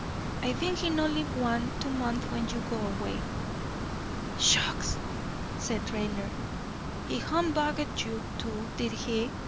"I theenk he no live one, two month when he go away." "Shucks!" said Raidler. "He humbugged you, too, did he?